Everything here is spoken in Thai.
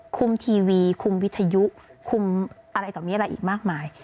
ทีวีคุมวิทยุคุมอะไรต่อมีอะไรอีกมากมาย